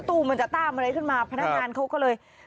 ตู้มันจะต้ามอะไรขึ้นมาพนักงานเขาก็เลย